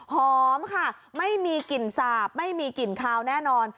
หอมค่ะไม่มีกลิ่นสาบไม่มีกลิ่นคาวแน่นอน